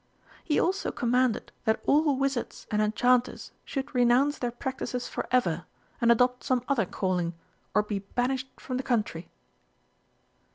"He also commanded that all wizards and enchanters should renounce their practices for ever, and adopt some other calling, or be banished from the Country."